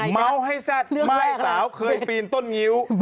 เม้าให้แซ่ดไม้สาวเคยปีนต้นงิ้ว